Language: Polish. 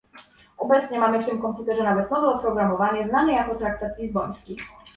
Obecnie mamy w tym komputerze nawet nowe oprogramowanie, znane jako traktat lizboński